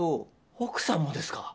奥さんもですか？